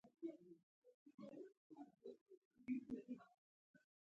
سنایپر همداسې ما ته وږی ناست و او زه پټ وم